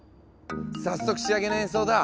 早速仕上げの演奏だ。